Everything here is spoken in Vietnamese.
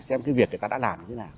xem cái việc người ta đã làm như thế nào